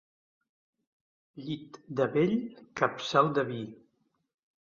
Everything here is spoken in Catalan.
Llit de vell, capçal de vi.